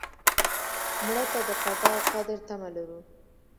مړه ته د قضا او قدر تمه لرو